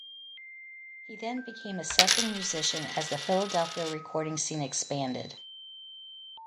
He then became a session musician as the Philadelphia recording scene expanded.